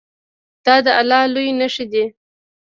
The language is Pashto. دا د الله د لویۍ نښې دي.